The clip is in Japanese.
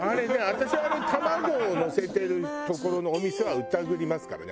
私はあれ卵をのせてるところのお店は疑りますからね私は。